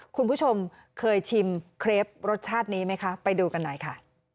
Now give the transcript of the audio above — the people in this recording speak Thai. คุณผู้ชมเคยชิมเครปรสชาตินี้ไหมคะไปดูกันหน่อยค่ะ